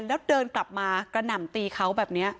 แล้วเดินกลับมากระหน่ำตีเขาแบบนี้